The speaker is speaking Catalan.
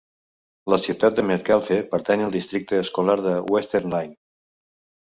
La ciutat de Metcalfe pertany al districte escolar de Western Line.